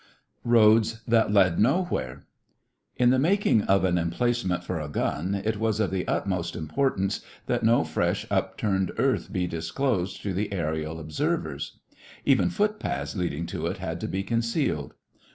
ROADS THAT LED NOWHERE In the making of an emplacement for a gun it was of the utmost importance that no fresh upturned earth be disclosed to the aërial observers. Even foot paths leading to it had to be concealed.